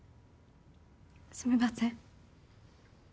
すみません。